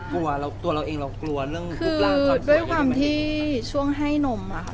กลัวเราตัวเราเองเรากลัวเรื่องด้วยความที่ช่วงให้นมอะค่ะ